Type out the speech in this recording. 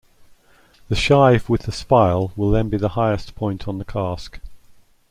The shive with the spile will then be the highest point on the cask.